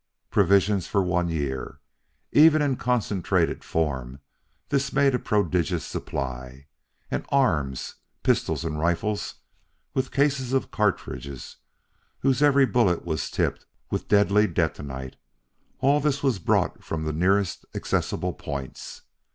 Provisions for one year! Even in concentrated form this made a prodigious supply. And, arms pistols and rifles, with cases of cartridges whose every bullet was tipped with the deadly detonite all this was brought from the nearest accessible points.